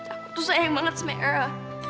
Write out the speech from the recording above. aku tuh sayang banget sama era